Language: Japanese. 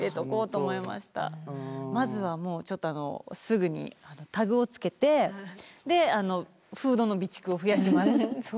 まずはもうすぐにタグをつけてフードの備蓄を増やします。